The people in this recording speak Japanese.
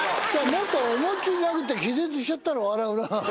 もっと思いっ切り殴って気絶しちゃったら笑うな。